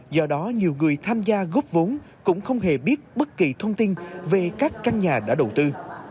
do đó nhiều người tham gia góp vốn cũng không hề biết bất kỳ thông tin về các căn nhà đã đầu tư